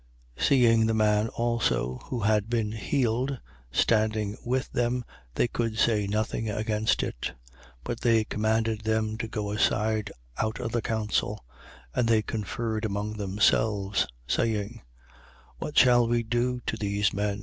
4:14. Seeing the man also who had been healed, standing with them, they could say nothing against it. 4:15. But they commanded them to go aside out of the council: and they conferred among themselves, 4:16. Saying: What shall we do to these men?